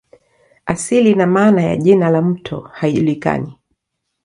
Asili na maana ya jina la mto haijulikani.